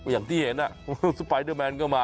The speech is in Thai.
อย่างที่เห็นสปายเดอร์แมนเข้ามา